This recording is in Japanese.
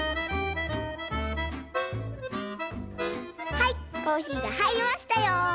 はいコーヒーがはいりましたよ！